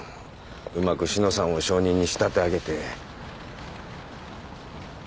うまく志乃さんを証人に仕立て上げて。